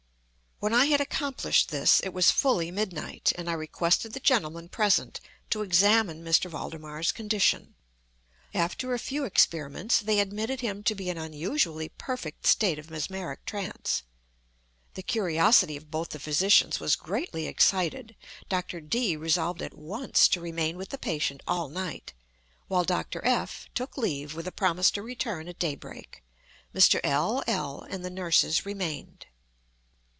When I had accomplished this, it was fully midnight, and I requested the gentlemen present to examine M. Valdemar's condition. After a few experiments, they admitted him to be an unusually perfect state of mesmeric trance. The curiosity of both the physicians was greatly excited. Dr. D—— resolved at once to remain with the patient all night, while Dr. F—— took leave with a promise to return at daybreak. Mr. L—l and the nurses remained.